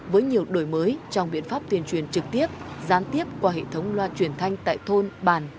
với nhiều đổi mới trong biện pháp tuyên truyền trực tiếp gián tiếp qua hệ thống loa truyền thanh tại thôn bàn